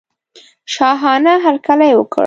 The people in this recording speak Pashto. شاهانه هرکلی وکړ.